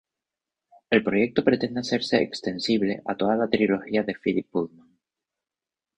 El proyecto pretende hacerse extensible a toda la trilogía de Philip Pullman.